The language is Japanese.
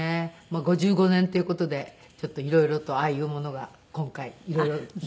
５５年という事でちょっと色々とああいうものが今回色々出てきました。